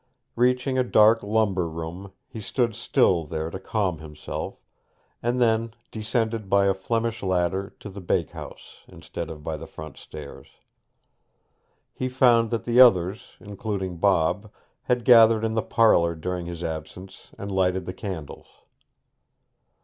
Reaching a dark lumber room, he stood still there to calm himself, and then descended by a Flemish ladder to the bakehouse, instead of by the front stairs. He found that the others, including Bob, had gathered in the parlour during his absence and lighted the candles.